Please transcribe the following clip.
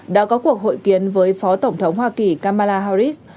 đã có cuộc hội kiến với phó tổng thống hoa kỳ kamala harris